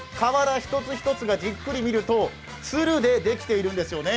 瓦一つ一つがじっくり見ると鶴でできているんですよね。